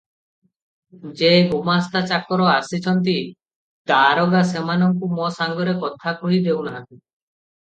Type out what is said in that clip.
ଯେ ଗୁମାସ୍ତା ଚାକର ଆସିଛନ୍ତି, ଦାରୋଗା ସେମାନଙ୍କୁ ମୋ ସାଙ୍ଗରେ କଥା କହି ଦେଉନାହିଁ ।